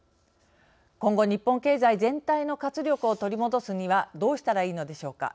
今後、日本経済全体の活力を取り戻すにはどうしたらいいのでしょうか。